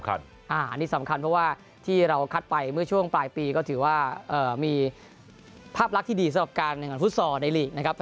อันนี้สำคัญเพราะว่าที่เราคัดไปเมื่อช่วงปลายปีก็ถือว่ามีภาพลักษณ์ที่ดีสำหรับการแข่งขันฟุตซอลในลีกนะครับ